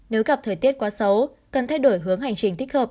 nếu gặp thời tiết quá xấu cần thay đổi hướng hành trình thích hợp